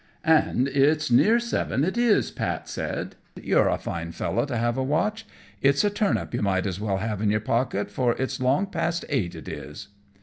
"And it's near seven, it is," Pat said. "You're a fine fellow to have a watch. It's a turnip you might as well have in your pocket, for it's long past eight, it is."